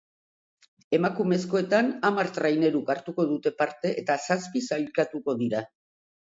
Emakumezkoetan hamar traineruk hartuko dute parte eta zazpi sailkatuko dira.